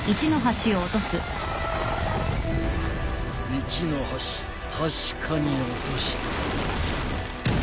一の橋確かに落とした。